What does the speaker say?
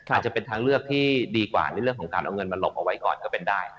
อาจจะเป็นทางเลือกที่ดีกว่าในเรื่องของการเอาเงินมาหลบเอาไว้ก่อนก็เป็นได้